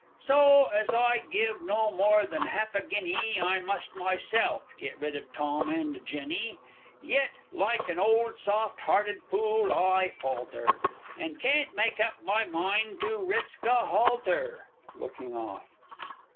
So (as I'd give no more than half a guinea) I must myself get rid of Tom and Jenny. Yet, like an old soft hearted fool, I falter, And can't make up my mind to risk a halter. (_Looking off.